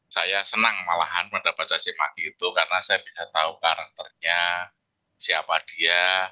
saya senang malahan mendapat cacimaki itu karena saya bisa tahu karakternya siapa dia